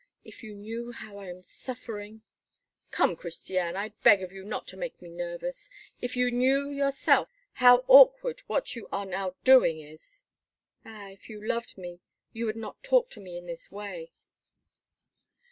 If you knew how I am suffering!" "Come, Christiane, I beg of you not to make me nervous. If you knew yourself how awkward what you are now doing is!" "Ah! if you loved me, you would not talk to me in this way."